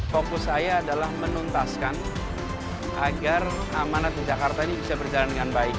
fokus saya adalah menuntaskan agar amanat di jakarta ini bisa berjalan dengan baik